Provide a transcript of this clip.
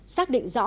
xác định rõ